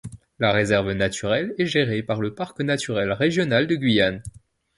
La réserve naturelle est gérée par le Parc naturel régional de Guyane.